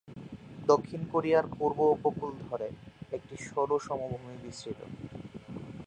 দক্ষিণ কোরিয়ার পূর্ব উপকূল ধরে একটি সরু সমভূমি বিস্তৃত।